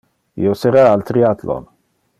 Io sera al triathlon.